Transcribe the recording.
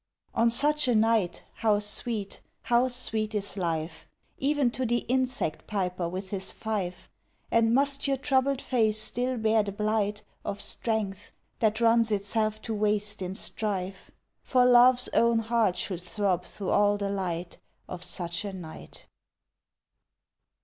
On such a night, how sweet, how sweet is life, Even to the insect piper with his fife! And must your troubled face still bear the blight Of strength that runs itself to waste in strife? For love's own heart should throb through all the light Of such a night.